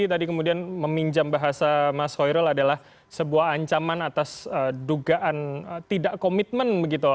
tadi kemudian meminjam bahasa mas hoirul adalah sebuah ancaman atas dugaan tidak komitmen begitu